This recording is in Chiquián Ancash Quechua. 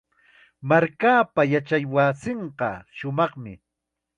Markaapa yachaywasinqa shumaqmi.